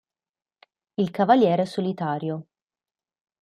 Il cavaliere solitario